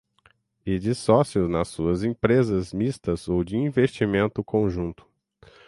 e de sócios nas suas empresas mistas ou de investimento conjunto